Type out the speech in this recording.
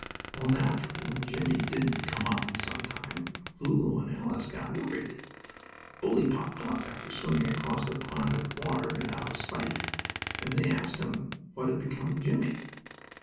Well, naturally, when Jimmie didn't come up in some time, Lulu and Alice got worried. Bully popped up, after swimming across the pond under water and out of sight, and they asked him what had become of Jimmie.